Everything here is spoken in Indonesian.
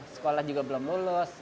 sekolah juga belum lulus